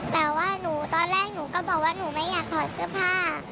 แต่ว่าหนูตอนแรกหนูก็บอกว่าหนูไม่อยากถอดเสื้อผ้า